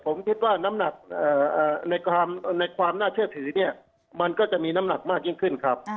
ผมคิดว่าน้ำหนักในความน่าเชื่อถือเนี่ยมันก็จะมีน้ำหนักมากยิ่งขึ้นครับ